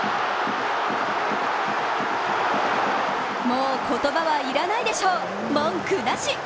もう言葉は要らないでしょう、文句なし！